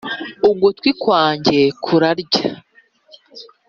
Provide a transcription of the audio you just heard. ugutwi kwanjye kurarya.